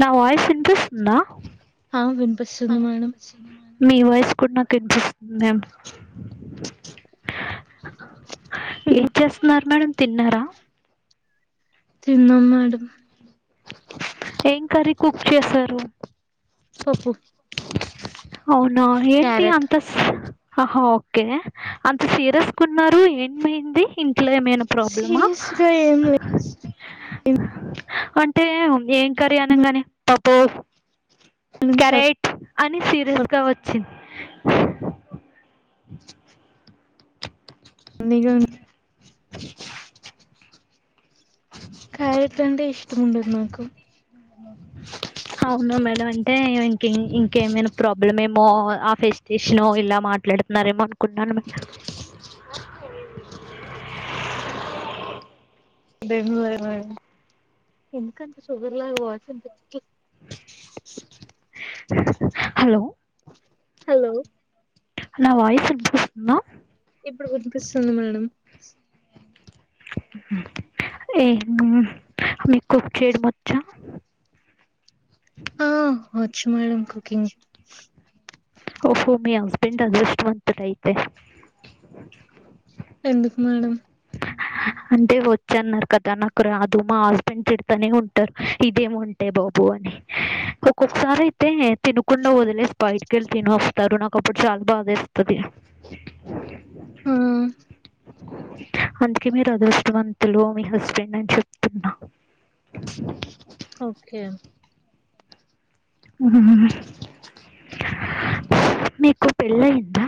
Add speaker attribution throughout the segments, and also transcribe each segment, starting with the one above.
Speaker 1: నా వాయిస్ వినిపిస్తుందా?
Speaker 2: ఆ వినిపిస్తుంది మేడం
Speaker 1: మీ వాయిస్ కూడ్ నాకు వినిపిస్తుంది ఏమ్ ఏట్ చేస్త్న్నార్ మేడం తిన్నారా?
Speaker 2: తిన్నాం మేడం.
Speaker 1: ఏం కర్రీ కుక్ చేసారు?
Speaker 2: పోప్పు
Speaker 1: అవునా ఏంటి అంత ఆహా ఓకే అంత సీరియస్ గున్నారు ఏమమైంది ఇ ఇంట్లో ఏమైనా ప్రాబ్లమా
Speaker 2: సీరియస్ గా ఏం లేదు
Speaker 1: అంటే ఏం కర్రీ అనంగానే పప్పు
Speaker 2: మేడం చాలా
Speaker 1: కరేట్ అని చే [unintelligible]
Speaker 2: [unintelligible] క్యారెట్ అంటే ఇష్టము ఉండదు నాకు
Speaker 1: అ అవునా మేడం అంటే ఇంకే ఇంకేమైనా ప్రాబ్లమ్ ఏమో ఆ ఫెస్టేషను లో ఇలా మా మాట్లాడుతున్నారేమో అనుకున్నాను మె
Speaker 2: బెంగళూరు
Speaker 1: హలో
Speaker 2: హలో
Speaker 1: నా వాయిస్ వినిపిస్తుందా
Speaker 2: ఇప్పుడు వినిపిస్తుంది మేడం
Speaker 1: [inaudible]
Speaker 2: ఆ వచ్చు మేడంమ్ కుకింగ్
Speaker 1: ఓహో మీ హస్బెండ్ అదృష్ట వంతుడు అయితే
Speaker 2: ఎందుకు మేడం
Speaker 1: అంటే వచ్చన్నారు కదా నాకు రా దు మా హస్బెండ్ తడతానే ఉంటారు ఇదేమి వంటే బాబు అని ఒక్కొక్కసారి అయితే తినకుండా వదిలేసి బయట [unintelligible] వస్తారు నాకుప్పుడు చాలా బాధేస్తది
Speaker 2: ఆ
Speaker 1: అందుకే మీరు అదృష్టవంతులు మీ హస్బెండ్ అని చెప్తున్నా
Speaker 2: ఓకే
Speaker 1: మ్మ్. పెళ్లయిందా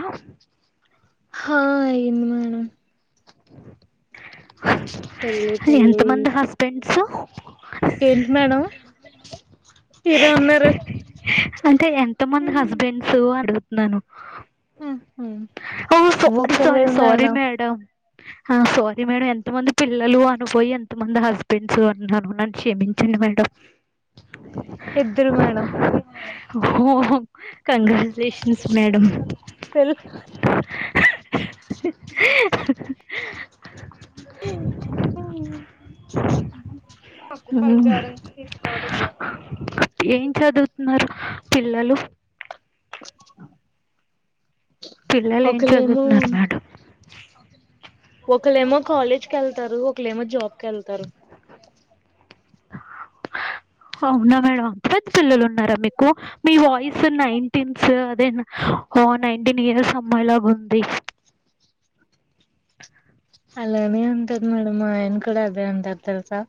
Speaker 2: హా అయింది మేడం పెళ్ళి
Speaker 1: ఎంత
Speaker 2: పెళ్ళి
Speaker 1: మంది హస్బెండ్స్
Speaker 2: ఏంటి మేడం ఏదో అన్నారు
Speaker 1: అంటే ఎంత మంది హస్బెండ్స్ అడు ఓ సారి
Speaker 2: ఒకరు
Speaker 1: సారీ
Speaker 2: లేదు
Speaker 1: సారీ మేడం ఆ సారీ మేడం ఎంత మంది పిల్లలు అను పోయి ఎంత మంది హస్బెండ్స్ అన్నాను. క్షమించండి మేడం,
Speaker 2: ఇద్దరు మేడం
Speaker 1: ఓ కంగ్రాచులేషన్స్ మేడం
Speaker 2: తెలు [unintelligible]
Speaker 1: ఏం చదువుతున్నారు పిల్లలు పిల్లలు ఏం
Speaker 2: ఒకలేమో
Speaker 1: చదువుతున్నారు మేడం
Speaker 2: ఒకళమో కాలేజ్ కెళ్తారు ఒకలేమో జాబ్కి వెళ్తారు
Speaker 1: అవునా మేడం అంత పెద్ద పిల్లలు ఉన్నార మీకు మీ వాయిస్ నైన్టీన్స్ అదే నైటీన్ ఇయర్స్ అమ్మాయి లా అండీ
Speaker 2: అలానే ఉంటది మేడం మా ఆయన కూడా అదే అంటారు, తెలుసా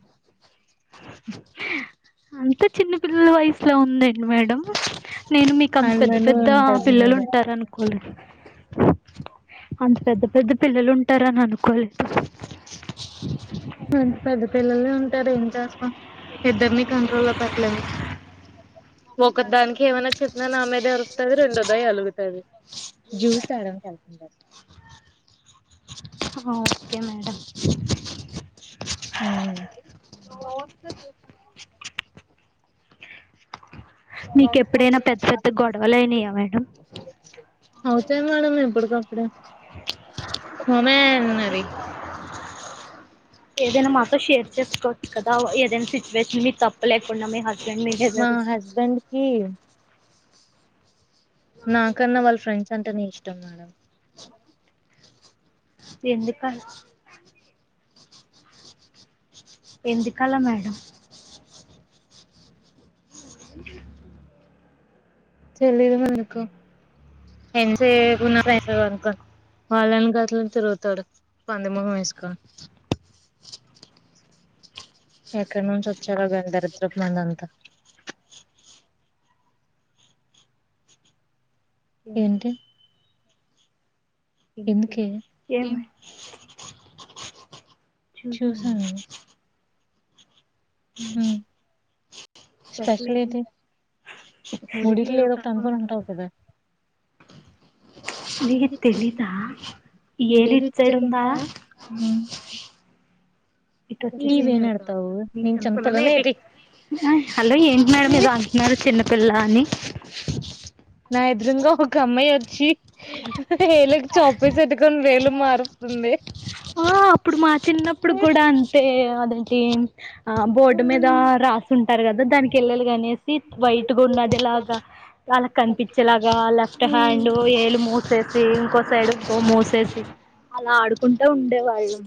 Speaker 1: అంత చిన్నపిల్లలు వయసు అట్లా ఉందండి మేడం నేను మీకు అంత
Speaker 2: అలానే
Speaker 1: పెద్ద పెద్ద
Speaker 2: ఉంటది
Speaker 1: పిల్లలు
Speaker 2: మేడం
Speaker 1: ఉంటార అనుకోలే [unintelligible] అంత పెద్ద పెద్ద పిల్లలు ఉంటారని అనుకోలేదు మేడం
Speaker 2: ఇద్దరినీ కంట్రోల్ లో పేట్టలేము, ఒక దానికి ఏమైనా చెపినా నా మీదె అరుస్తా, వస్తాది రెండోదాయి ఆలుగుతది, జ్యూస్ తేడానికి వెళ్తుంటది.
Speaker 1: ఆ ఓకే మేడం
Speaker 2: ఊ
Speaker 1: మీకు ఎప్పుడైనా పెద్ద పెద్ద గొడవలుయినాయా మేడం
Speaker 2: అవుతాయి మేడం ఎప్పుడు గో ఇప్పుడ కొమేన్నది
Speaker 1: ఏదైనా మాతో షేర్ చేసుకోవచ్చు కదా ఏదైనా సిచ్యువేషన్ మీకు తప్ప లేకుండా మీ హస్బెండ్ ఏమి లేదు
Speaker 2: మా
Speaker 1: అరుస్తా,
Speaker 2: హస్బెండ్ కి నాకన్నా వాళ్ళ ఫ్రెండ్స్ అంటే నే ఇష్టం మేడం,
Speaker 1: ఎందుక అలా ఎందుకలా మేడం [unintelligible]
Speaker 2: తెలీదు అమ్మ నాకు ఎంతసేపు ఉన్న పైసలు కొను వాళ్ళవెనకాలే గిట్ల తిరుగుతాడు పంది ముఖం వేసుకోని, ఎక్కడ నుంచి వచ్చారో గాని దరిద్రపు మందంతా,
Speaker 1: ఏంటీ
Speaker 2: ఏంటి
Speaker 1: ఎందుకే ఎంలే
Speaker 2: చూసాను
Speaker 1: చూసావ
Speaker 2: ఉమ్
Speaker 1: [unintelligible]
Speaker 2: స్పెషల్ ఎటి
Speaker 1: ఎడిట్లో ఏదో కనుకొన్ని ఉంటవు కదా ఏ నీకు తెలిదా ఏలి ఇట్ సైడ్ ఉందా.
Speaker 2: ఉమ్
Speaker 1: ఇటు వచ్చేసే
Speaker 2: నీవేం
Speaker 1: ఆడుదాం
Speaker 2: ఎడతావు
Speaker 1: ని
Speaker 2: నేను
Speaker 1: చెంపలో
Speaker 2: చిన్నపిల్లనే
Speaker 1: ఏంది
Speaker 2: ఏటి
Speaker 1: ఆ హలో ఏంటి మేడం ఏదో అంటున్నారు చిన్నపిల్ల అని
Speaker 2: నా ఇదురుంగా ఒక అమ్మాయి వచ్చి వేలుకి చాక్పీస్ అద్దుకొని వేలు మారుస్తుంది.
Speaker 1: ఆ అప్పుడు మా చిన్నప్పుడు కూడా అంతే అదంటే ఆ బోర్డు మీద రాసుంటారు కదా దానికి వెలు కనేసి వైట్గా ఉన్నదిలాగా వాళ్ళ కనిపించేలాగా లెఫ్ట్ హ్యాండ్ ఏళు మూసేసి ఇంకో సైడ్ మూసేసి అలా ఆడుకుంటా ఉండేవాళ్ళు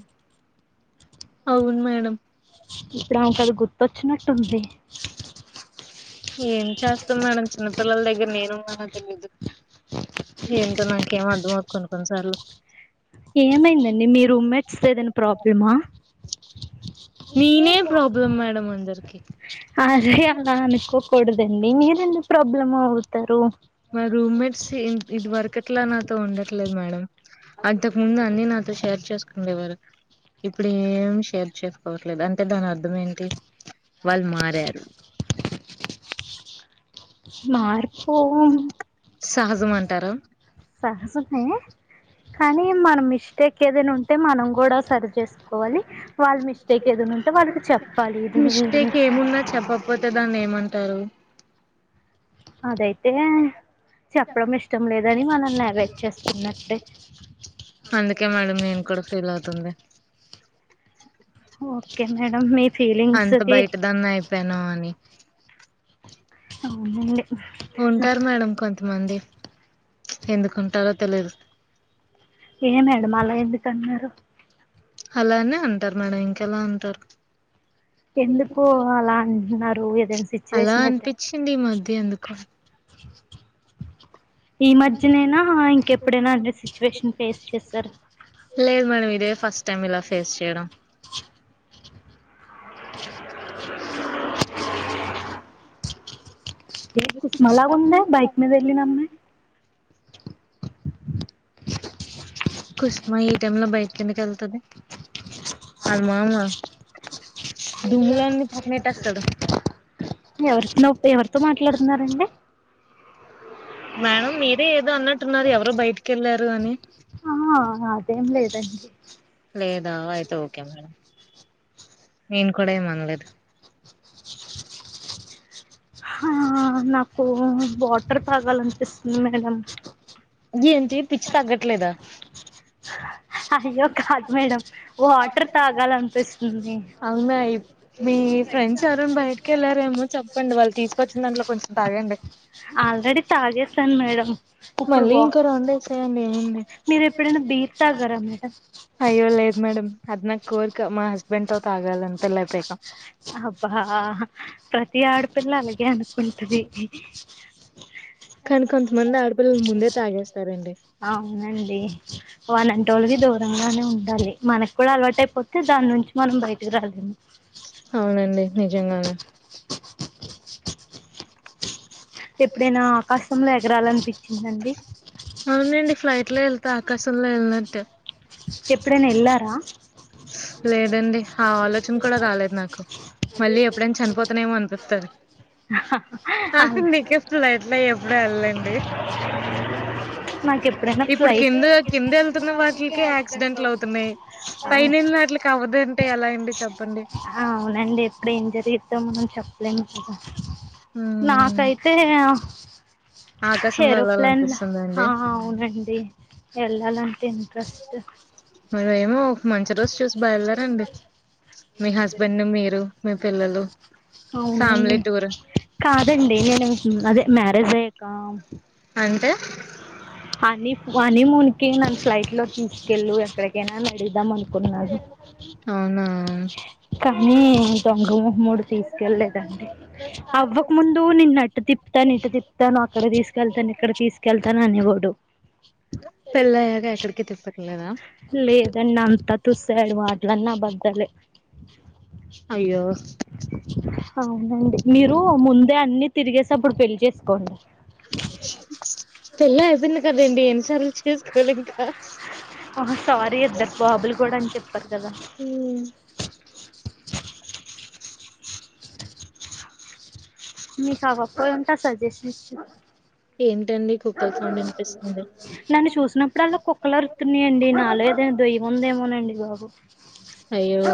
Speaker 2: అవును మేడం
Speaker 1: ఇప్పుడు అమెకి అది గుర్తొచ్చినట్టు ఉంది.
Speaker 2: ఏం చేస్తాం మేడం చిన్నపిల్లల దగ్గర నేను ఉన్నాన తెలిదు ఏంటో నాకేం అర్థంమవుదు కొను కొన్నిసార్లు
Speaker 1: ఏమైందండి మీ రూమ్మేట్స్ తో ఏదైనా ప్రాబ్లమా
Speaker 2: నేనే ప్రాబ్లం
Speaker 1: పోడ
Speaker 2: మేడం అందరికి
Speaker 1: అదే అలా అనుకు కుడదండి మీర ఎన్ని ప్రాబ్లం అవుతారు.
Speaker 2: మా రూమ్మేట్స్ ఇది వరకట్లా నాతో ఉండట్లేదు మేడం అంతకుముందు అన్నిీ నాతో షేర్ చేసుకు ఉండేవారు ఇప్పుడు ఏం షేర్ చేసుకోవట్లేదు అంటే దాని అర్థం ఏంటి, వాళ్ళు మారారు,
Speaker 1: మార్పు
Speaker 2: సహజం అంటారా
Speaker 1: సహజమే కానీ మనం మిస్టేక్ ఏదైనా ఉంటే మనం కూడా సరి చేసుకోవాలి వాళ్ళ మిస్టేక్ ఏద ఉంటే వాళ్ళకి చెప్పాలి ఇది
Speaker 2: పోతే దా ఏమంటారు
Speaker 1: అదైతే చెప్పడం ఇష్టం లేదని మనల్ అవాయిడ్ చేస్తున్నట్టే
Speaker 2: అందకే మేడం నేను కూడా ఫీల్ అవుతుందంది
Speaker 1: ఓకే మేడం మీ
Speaker 2: అంత
Speaker 1: ఫీలింగ్స్కి
Speaker 2: బయటదాన్న అయిపోయాను అని
Speaker 1: అవు మడి
Speaker 2: ఉంటారు మేడం కొంతమంది ఎందుకుంటారో తెలిదు
Speaker 1: ఏ మేడం అలా ఎందుకున్నారు
Speaker 2: అలానే ఉంటారు మేడం ఇంకెలా ఉంటారు
Speaker 1: అ ఎందుకు అలా అంటున్నారు ఏదైనా
Speaker 2: అలా
Speaker 1: సిచ్యువేషన్ అయితే
Speaker 2: అనిపించింది ఈ మధ్య
Speaker 1: స
Speaker 2: ఎందుకో
Speaker 1: ఈ మధ్యనైనా ఇంకెప్పుడైనా అ సిచ్యువేషన్ ఫేస్ చేస్తారు
Speaker 2: లేదు మేడం ఇదే ఫస్ట్ టైం ఇలా ఫేస్ చేయడం
Speaker 1: ఇ కుస్మలా గు ఉందే బైక్ మీద వెళ్లినప్పుమే
Speaker 2: కుస్మా ఈ టైం లో బయట ఎందుకు వెళ్తుది అల్మామ్మా దుములాన్ని పక్నేట్స్తడు
Speaker 1: ఎవరి న ఎవరితో మాట్లాడుతున్నారండి
Speaker 2: మేడం మీరే ఏదో అన్నట్టున్నారు ఎవరు బయటికి వెళ్ళారు అని
Speaker 1: ఆ అదేం లేదండి
Speaker 2: లేదాయి ఓకే మేడం నేను కూడా ఏంఅనలేదు
Speaker 1: ఆ నాకు వాటర్ తాగాలనిపిస్తుంది మేడం
Speaker 2: ఏంటి పిచ్చి తగ్గట్లేదా
Speaker 1: అయ్యో కాదు మేడం వాటర్ తాగాలనిపిస్తుంది
Speaker 2: అవునా మీ ఫ్రెండ్స్ ఎవరైనా బయటకి వెళ్లారేమో చెప్పండి వాళ్ళు తీసుకొచ్చింద కొంచెం తాగండి
Speaker 1: ఆల్రెడీ తాగేసాను మేడం ఇప్పుడు
Speaker 2: మళ్ళీ
Speaker 1: బా
Speaker 2: ఇంకో రౌండ్ వేసేయండి ఏముంది
Speaker 1: మీరు ఎప్పుడైనా బీర్ తాగారా మేడం
Speaker 2: అయ్యో లేదు మేడం అది నా కోరిక మా హస్బెండ్ తాగాలని పెళ్లి అయిపోయాక
Speaker 1: అబ్బా ప్రతి ఆడపిల్ల అలాగే అనుకుంటది
Speaker 2: కనకొంత మంది ఆడపిల్లలు ముందే తాగేస్త
Speaker 1: అవునండి వనంట వాళ్ళకి దూరంగానే ఉండాలి మనకు కూడా అలవాట అయిపోతే దాని నుంచి మనం బయటకి రాలేము
Speaker 2: నిజంగా
Speaker 1: ఎప్పుడైనా ఆకాశంలో ఎగరాలనిపించిందండి
Speaker 2: అవునండి ఫ్లైట్ లో వెళ్తే ఆకాశంలో వెళ్ళనట్ట
Speaker 1: ఇప్పుడే ఎళ్లారా
Speaker 2: లేదండి ఆ ఆలోచన కూడా రాలేదు నాకు మళ్ళ ఎప్పుడైనా చనిపోతున్నాయమో అన అందుకే ఫ్లైట్ లో ఎప్పుడు వెళ్ళండి
Speaker 1: [unintelligible] నాకే ఎప్పుడైనా
Speaker 2: ఇప్పుడు
Speaker 1: ఫ్లైట్ లో
Speaker 2: కింద
Speaker 1: ఎక్కిన
Speaker 2: కింద వెళ్తున్న వాటిలకే యాక్సిడెంట్లు అవుతున్నాయి పైన వెళ్ళినాటిలకి అవ్వదంటే ఎలా అండి చెప్పండి
Speaker 1: [inaudible] అవునండి ఎప్పుడు ఏం జరిగిద్దో మనం చెప్పలేందా
Speaker 2: ఉమ్
Speaker 1: నాకైతే
Speaker 2: ఆకాశంలో
Speaker 1: ఏరోప్లాన్ లో
Speaker 2: వెళ్ళాలనిపిస్తుందండి
Speaker 1: అవునండి వెళ్ళాలంటే ఇంట్రెస్ట్
Speaker 2: మర ఏమో ఒక మంచి రోజు చూసి బయలుదరండి మీ హస్బెండ్ మీరు మీ పిల్లలు
Speaker 1: అవునండి
Speaker 2: ఫ్యామిలీ టూర్
Speaker 1: కాదండి నేను అదే మ్యారేజ్ అయ్యాకా
Speaker 2: అంటే
Speaker 1: హనీ హనీమున్ కి నన్ను ఫ్లైట్ లో తీసుకెళ్ళు ఎక్కడికైనా అడిగుదాం అను కున్నాను
Speaker 2: అవునా
Speaker 1: కానీ దొంగ ముమ్ముూడు తీసుకెళ్లలేదండి అవ్వక ముందు నేన్న అటు తిప్తాను ఇటు తిప్తాను అక్కడ తీసుకెళ్తాను ఇక్కడ తీసుకెళ్తా తను అనేవాడు
Speaker 2: పెళ్ళయాక ఎక్కడికి తిప్పడు
Speaker 1: లేదండి అంతా తుస్సు వాళ్ళ మాటలన్నీ అబద్దాలే
Speaker 2: అయ్యో
Speaker 1: అవునండి మీరు ముందే అన్ని తిరిగేసి అప్పుడు పెళ్లి చేసుకోండి
Speaker 2: పెళ్లి అయిపోయింది కదండి ఎన్నిసార్లు చేసుకోవాలి ఇంకా
Speaker 1: ఆ సారీ ఇద్దరు బాబులు కూడా అని చెప్పారు కదా మీకు ఆ గొప్ప ఉంట సజెషన్ ఇస్తున్న
Speaker 2: నీ కుకల్
Speaker 1: నన్ను చూసినప్పుడు అల్ల కుక్కలు అరుతున్నాయండి నాలో ఏదనా దయ్యం ఉందేమోనండి అయ్యో
Speaker 2: అయ్యో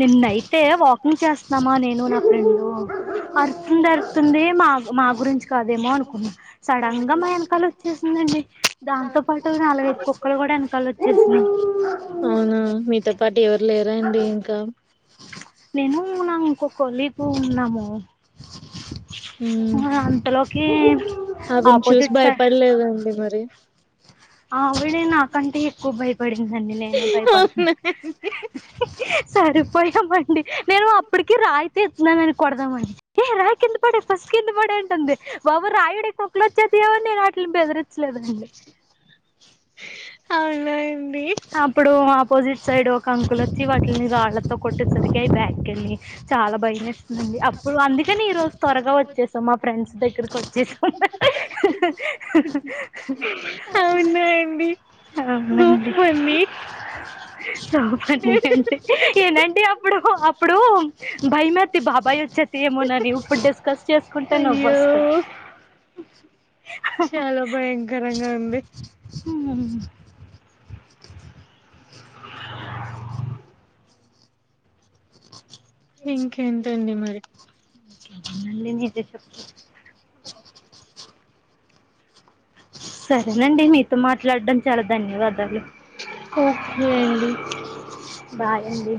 Speaker 1: నిన్న అయితే వాకింగ్ చేస్తున్నామా నేను ఆర్తుంది అర్తుంది మా మా గురించి కాదేమో అనుకున్నా సడన్ గా మా వెనకాల వచ్చేసిందండి దాంతో పాటు నలగైదు కుక్కలు కూడా వెనకాల వచ్చేసి
Speaker 2: అవునా మీతో పాటు ఎవరు లేరా అండి ఇంకా
Speaker 1: నేను నా ఇంకో కొలీకు ఉన్నాము
Speaker 2: మ్మ్
Speaker 1: మరి అంతలోకి
Speaker 2: ఆవిని చూసి
Speaker 1: ఆపోజిట్ సైడ్
Speaker 2: భయపడలేదండి మరి
Speaker 1: ఆవిడా నా కంటే ఎక్కువ బయ పడిందండి నేనే భయపడుతున్నా
Speaker 2: అవునా
Speaker 1: సరిపోయామండి నేను అప్పుడు కి రాయ్ తీస్తున్నామని కొడదామని ఏ రాయి కింద పాడేయ్ ఫస్ట్ కింద పడేయ్ అంటుంది బాబోయ్ రాయుడే కుక్కలు వచ్చే ఎవరిని వాటిని బెదిరించలేదు
Speaker 2: అవునా
Speaker 1: అప్పుడు ఆపోజిట్ సైడ్ ఒక అంకుల్ వచ్చి వాటిని రాళ్లతో కొట్టేసరికి అవి బ్యాక్ చాలా భయమేస్తుందండి అప్పుడు అందుకని ఈ రోజు త్వరగా వచ్చేసాం మా ఫ్రెండ్స్ దగ్గరకి వచ్చేసాం ఆ ఆ హా
Speaker 2: అవునా అండి
Speaker 1: అవునండి
Speaker 2: మీ
Speaker 1: చపండి అంటే ఏంటంటే అప్పుడు అప్పుడు భయమతి బాబాయ్ వచ్చేసి ఏమోనండి ఇప్పుడు డిస్కస్ చేసుకుంటేనే
Speaker 2: అయ్యో
Speaker 1: నవ్వొస్తది
Speaker 2: చాలా భయంకరంగా ఉంది.
Speaker 1: స ఉ
Speaker 2: ఇంకేంటండి మరి
Speaker 1: నిజ సరేనండి మీతో మాట్లాడడం చాలా ధన్యవాదాలు
Speaker 2: ఓకే అండి
Speaker 1: బాయ్ అండి